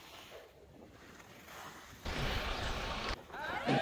Je to jediný způsob jak odstranit konflikt zájmů.